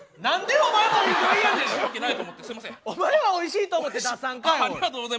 お前はおいしいと思って出さんかい。